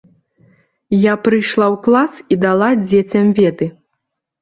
Я прыйшла ў клас і дала дзецям веды.